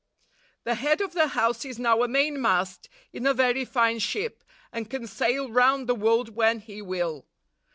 The head of the house is now a mainmast in a very fine ship, and can sail round the world when he will.